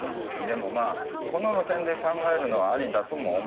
でもまあこの路線で考えるのはありだとも思います。